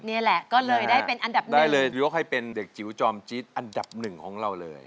นี่แหละก็เลยได้เป็นอันดับหนึ่งได้เลยยกให้เป็นเด็กจิ๋วจอมจี๊ดอันดับหนึ่งของเราเลย